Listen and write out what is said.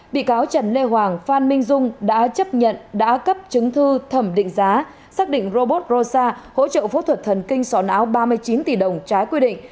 bị cáo trần lê hoàng phan minh dung đã chấp nhận đã cấp chứng thư thẩm định giá xác định robot rosa hỗ trợ phẫu thuật thần kinh sòn áo ba mươi chín tỷ đồng trái quy định